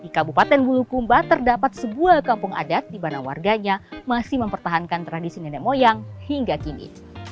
di kabupaten bulukumba terdapat sebuah kampung adat di mana warganya masih mempertahankan tradisi nenek moyang hingga kini